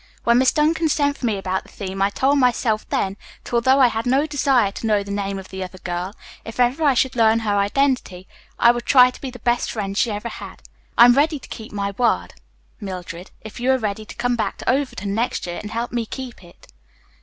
"When Miss Duncan sent for me about the theme I told myself then that, although I had no desire to know the name of the other girl, if ever I should learn her identity I would try to be the best friend she ever had. I am ready to keep my word, Mildred, if you are ready to come back to Overton next year and help me keep it."